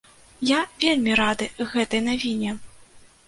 Я вельмі рады гэтай навіне!